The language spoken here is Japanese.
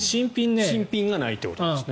新品がないということですね。